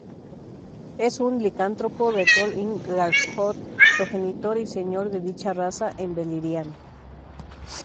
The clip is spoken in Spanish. Es un licántropo de Tol-in-Gaurhoth, progenitor y señor de dicha raza en Beleriand.